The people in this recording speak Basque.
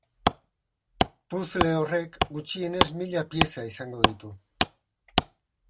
Puzzle horrek gutxienez mila pieza izango ditu.